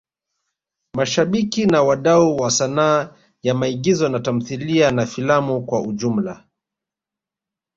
Mashabiki na wadau wa sanaa ya maigizo na tamthilia na filamu kwa ujumla